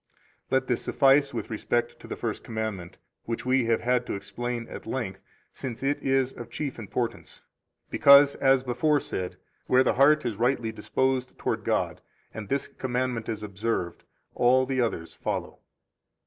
48 Let this suffice with respect to the First Commandment, which we have had to explain at length, since it is of chief importance, because, as before said, where the heart is rightly disposed toward God and this commandment is observed, all the others follow.